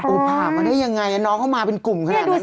ผ่ามาได้ยังไงน้องเข้ามาเป็นกลุ่มขนาดนั้น